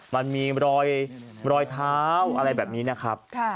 มันมีรอยเท้าอะไรแบบนี้นะครับ